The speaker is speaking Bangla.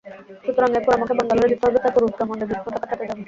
সুতরাং এরপর আমাকে বাঙ্গালোরে যেতে হবে, তারপর উতকামণ্ডে গ্রীষ্মটা কাটাতে যাব।